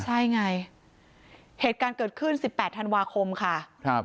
ใช่ไงเหตุการณ์เกิดขึ้น๑๘ธันวาคมค่ะครับ